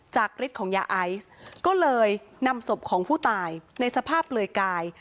ฤทธิ์ของยาไอซ์ก็เลยนำศพของผู้ตายในสภาพเปลือยกาย